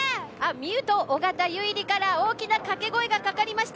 みう、と尾方唯莉から大きな掛け声がかかりました。